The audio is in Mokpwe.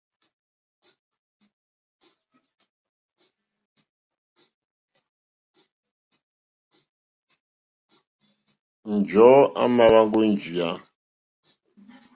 Njɔ̀ɔ́ à mà hwáŋgá ó njìyá.